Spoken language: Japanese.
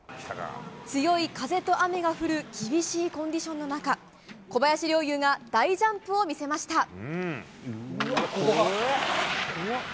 強い風と雨が降る厳しいコンディションの中小林陵侑が大ジャンプを見せました。